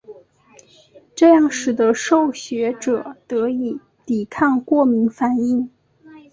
这样使得受血者得以抵抗过敏反应。